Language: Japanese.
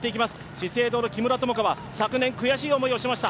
資生堂の木村友香は昨年悔しい思いをしました。